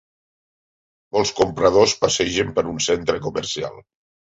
Molts compradors passegen per un centre comercial.